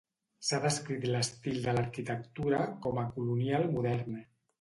S'ha descrit l'estil de l'arquitectura com a Colonial modern.